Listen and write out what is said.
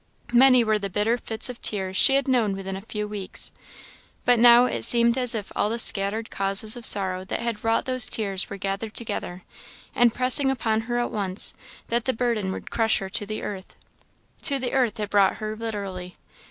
Many were the bitter fits of tears she had known within a few weeks. But now it seemed as if all the scattered causes of sorrow that had wrought those tears were gathered together, and pressing upon her at once, and that the burden would crush her to the earth. To the earth it brought her, literally.